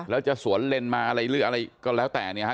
แล้วจะสวนเลนมาอะไรหรืออะไรก็แล้วแต่เนี่ยฮะ